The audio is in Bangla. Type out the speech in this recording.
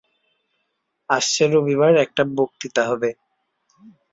আসছে রবিবার একটা বক্তৃতা হবে।